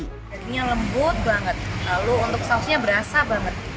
jadinya lembut banget lalu untuk sausnya berasa banget